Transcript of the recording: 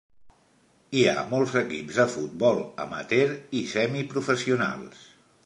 Hi ha molts equips de futbol amateur i semiprofessionals.